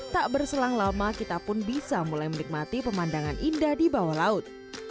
tak berselang lama kita pun bisa mulai menikmati pemandangan indah di bawah laut